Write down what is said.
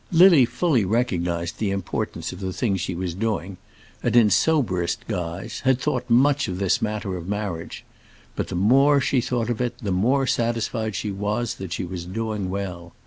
Lily fully recognized the importance of the thing she was doing, and, in soberest guise, had thought much of this matter of marriage. But the more she thought of it the more satisfied she was that she was doing well.